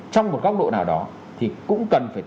trong một góc độ nào đó thì cũng cần phải